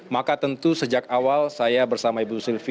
maka tentu sejak awal saya bersama ibu sylvi